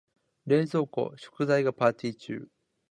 冷蔵庫、食材がパーティ中。